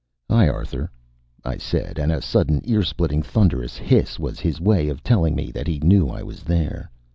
"Hi, Arthur," I said, and a sudden ear splitting thunderous hiss was his way of telling me that he knew I was there.